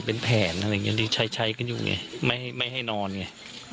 มันเป็นแผนอะไรอย่างเงี้ยใช้กันอยู่ไงไม่ให้นอนไง